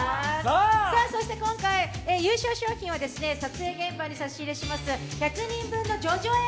今回、優勝賞金は撮影現場に差し入れします、１００人分の叙々苑